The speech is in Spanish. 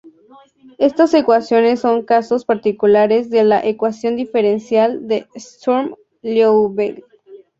Estas ecuaciones son casos particulares de la ecuación diferencial de Sturm-Liouville.